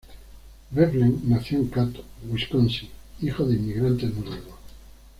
Veblen nació en Cato, Wisconsin, hijo de inmigrantes noruegos.